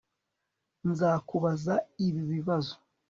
Nzakubaza ibi bibazo